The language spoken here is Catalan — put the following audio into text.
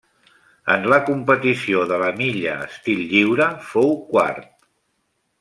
En la competició de la milla estil lliure fou quart.